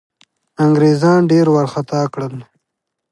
انګرېزان ډېر وارخطا کړل.